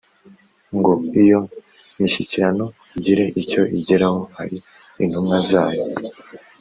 ngo iyo mishyikirano igire icyo igeraho hari intumwa zayo